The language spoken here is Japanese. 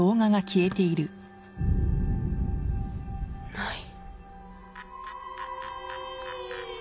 ・ない。